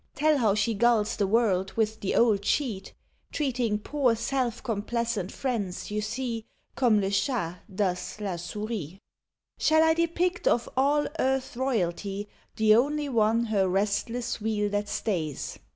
Tell how she gulls the world with the old cheat? Treating poor self complacent friends you see Comme le Chat does la Souris? Shall I depict of all earth's royalty The only one her restless wheel that stays?